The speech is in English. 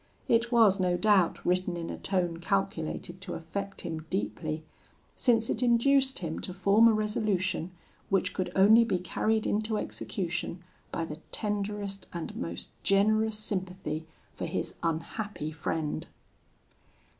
It was no doubt written in a tone calculated to affect him deeply, since it induced him to form a resolution, which could only be carried into execution by the tenderest and most generous sympathy for his unhappy friend.